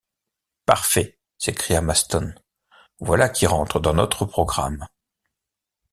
Parfait! s’écria Maston, voilà qui rentre dans notre programme.